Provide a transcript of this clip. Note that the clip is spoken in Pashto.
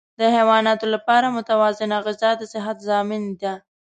د حیواناتو لپاره متوازنه غذا د صحت ضامن ده.